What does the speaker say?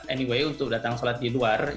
anyway untuk datang sholat di luar